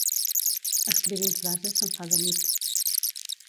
Escrivint frases se'm fa de nit